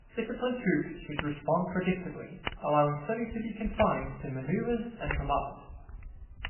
Disciplined troops should respond predictably, allowing study to be confined to maneuvers and command.